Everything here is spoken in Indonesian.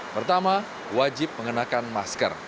pertama wajib mengenakan masker